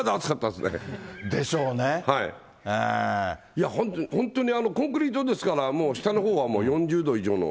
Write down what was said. いや本当に、コンクリートですから、もう下のほうはもう、４０度以上の。